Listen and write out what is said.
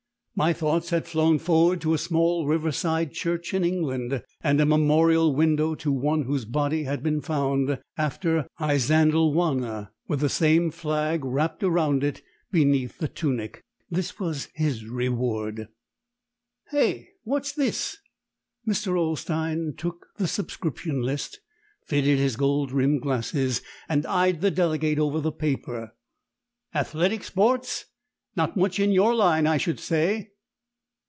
My thoughts had flown forward to a small riverside church in England, and a memorial window to one whose body had been found after Isandlwhana with the same flag wrapped around it beneath the tunic. This was his reward. "Hey? What's this?" Mr. Olstein took the subscription list, fitted his gold rimmed glasses and eyed the delegate over the paper. "Athletic sports? Not much in your line, I should say."